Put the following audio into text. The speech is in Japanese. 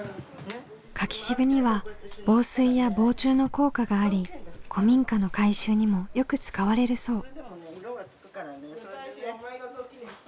柿渋には防水や防虫の効果があり古民家の改修にもよく使われるそう。